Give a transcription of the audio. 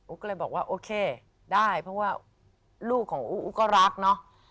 ก็เลยบอกว่าโอเคได้เพราะว่าลูกของอู้ก็รักเนาะ